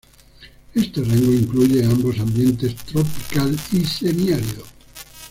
Este rango incluye ambos ambientes tropical y semiárido.